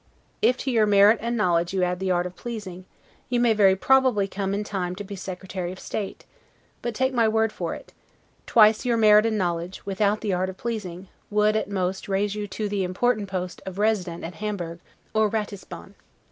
If to your merit and knowledge you add the art of pleasing, you may very probably come in time to be Secretary of State; but, take my word for it, twice your merit and knowledge, without the art of pleasing, would, at most, raise you to the IMPORTANT POST of Resident at Hamburgh or Ratisbon.